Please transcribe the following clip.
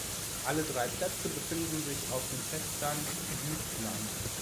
Alle drei Plätze befinden sich auf dem Festland Jütland.